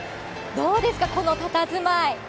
どうですか、このたたずまい。